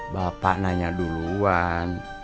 bapak nanya duluan